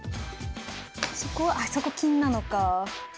そこはあそこ金なのか。